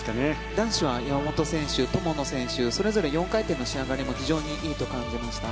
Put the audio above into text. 男子は山本選手、友野選手それぞれ４回転の仕上がりも非常にいいと感じました。